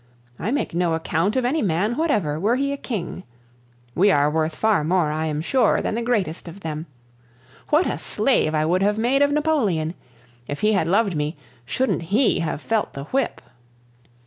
I make no account of any man whatever, were he a king. We are worth far more, I am sure, than the greatest of them. What a slave I would have made of Napoleon! If he had loved me, shouldn't he have felt the whip!